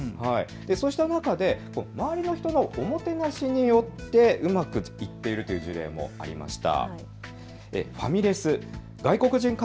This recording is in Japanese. そうした中で周りの人のおもてなしによってうまくいっているという事例もありました。